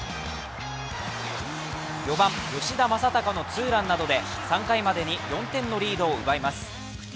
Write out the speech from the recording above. ４番・吉田正尚のツーランなどで３回までに４点のリードを奪います。